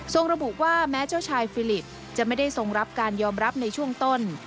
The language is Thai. ระบุว่าแม้เจ้าชายฟิลิปจะไม่ได้ทรงรับการยอมรับในช่วงต้น